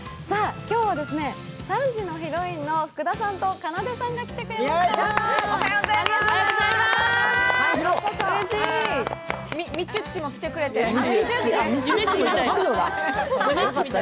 今日は３時のヒロインの福田さんとかなでさんが来てくれました。